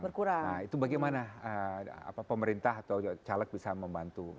nah itu bagaimana pemerintah atau caleg bisa membantu